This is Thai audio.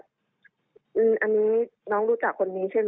สมัยใช่ก็ดูไม่ดูน้องไม่หลับ